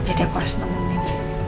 jadi aku harus nemuin